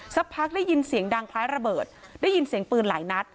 สักพักได้ยินเสียงดังคล้ายระเบิดได้ยินเสียงปืนหลายนัด